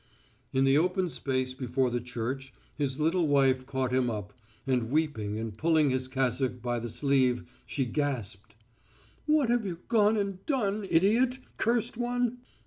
In the open space before the church his little wife caught him up, and weeping and pulling his cassock by the sleeve, she gasped: "What have you gone and done, idiot, cursed one!